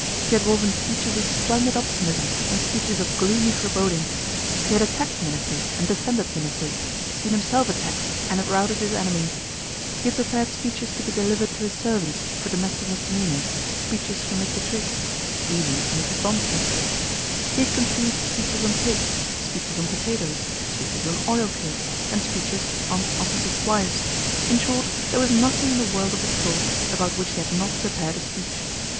He had woven speeches of splendid optimism and speeches of gloomy foreboding. He had attacked ministers and defended ministers, seen himself attacked and had routed his enemies. He had prepared speeches to be delivered to his servants for domestic mis demeanour, speeches for Mr. Triggs, even for Mrs. Bonsor. He had conceived speeches on pigs, speeches on potatoes, speeches on oil cake, and speeches on officers' wives ; in short, there was nothing in the world of his thoughts about which he had not prepared a speech.